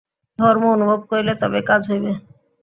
ধর্ম অনুভব করিলে তবেই কাজ হইবে।